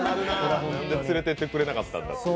連れてってくれなかったんだね。